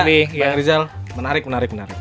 bang rizal menarik menarik menarik